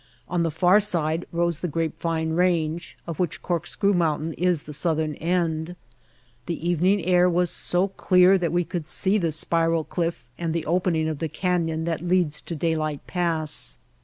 On the far side rose the Grapevine Range, of which Corkscrew Moun tain is the southern end. The evening air was so clear that we could see the spiral cliff and the opening of the canyon that leads to Daylight Pass.